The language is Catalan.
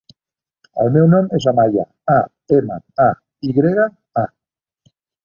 El meu nom és Amaya: a, ema, a, i grega, a.